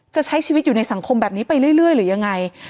จะใช้ชีวิตอยู่ในสังคมแบบนี้ไปเรื่อยหรือยังไง